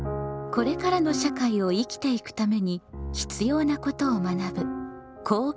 これからの社会を生きていくために必要なことを学ぶ「公共」。